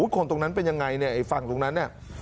คนตรงนั้นเป็นยังไงเนี่ยไอ้ฝั่งตรงนั้นเนี่ย